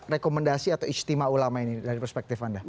rekomendasi atau istimewa ulama ini dari perspektif anda